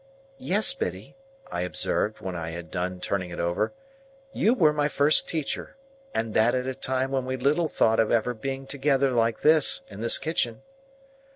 "Yes, Biddy," I observed, when I had done turning it over, "you were my first teacher, and that at a time when we little thought of ever being together like this, in this kitchen."